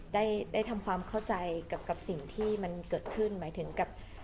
ได้ได้ทำความเข้าใจกับสิ่งที่มันเกิดขึ้นหมายถึงกับ